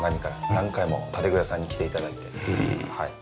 何回も建具屋さんに来て頂いてはい。